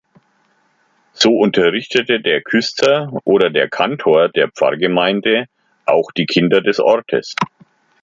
So unterrichtete der Küster oder der Kantor der Pfarrgemeinde auch die Kinder des Ortes.